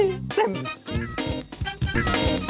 โอเค